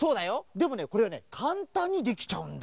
でもねこれはねかんたんにできちゃうんだ。